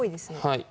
はい。